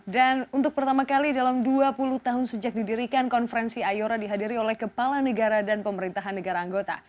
dan untuk pertama kali dalam dua puluh tahun sejak didirikan konferensi ayora dihadiri oleh kepala negara dan pemerintahan negara anggota